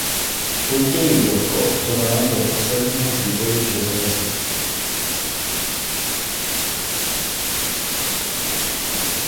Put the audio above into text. Později byl kooptován do posledního výboru Jazzové sekce.